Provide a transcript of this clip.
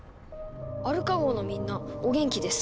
「アルカ号のみんなお元気ですか？